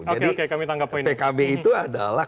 jadi pkb itu adalah